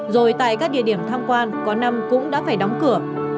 rồi tại các địa điểm tham quan có năm cũng đã phải đóng cửa